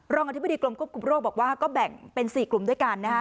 อธิบดีกรมควบคุมโรคบอกว่าก็แบ่งเป็น๔กลุ่มด้วยกัน